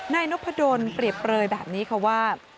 นายนพดลเปรียบเปลยแบบนี้ค่ะว่า